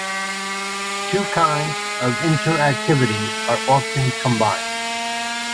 Two kinds of interactivity are often combined.